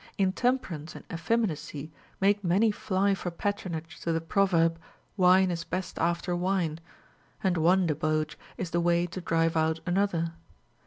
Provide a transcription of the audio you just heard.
Intemperance and ef feminacy make many fly for patronage to the proverb, AVine is best after Λνΐηο, and one debauch is the Avay to drive out another.